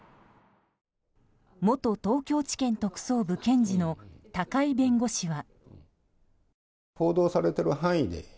元東京地検特捜部検事の高井弁護士は。